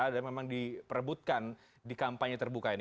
dan memang di perebutkan di kampanye terbuka ini